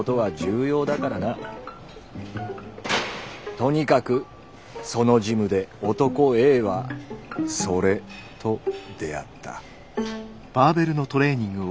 とにかくそのジムで「男Ａ」は「それ」と出会った。